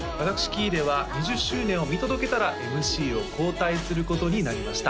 喜入は２０周年を見届けたらＭＣを交代することになりました